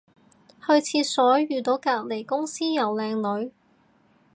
去廁所遇到隔離公司有靚女